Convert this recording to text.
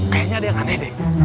kayaknya ada yang aneh deh